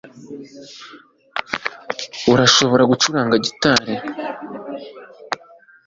arashobora gucuranga gitari